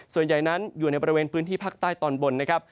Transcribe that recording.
ส่วนใหญ่นั้นอยู่ในบริเวณพื้นที่ภาคใต้ตอนบนนะครับ